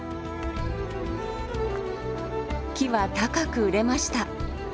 木は高く売れました。